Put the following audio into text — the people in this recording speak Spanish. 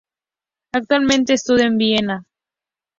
Actualmente estudia en Viena.